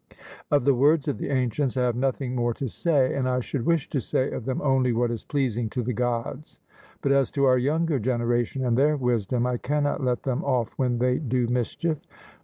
Of the words of the ancients I have nothing more to say; and I should wish to say of them only what is pleasing to the Gods. But as to our younger generation and their wisdom, I cannot let them off when they do mischief.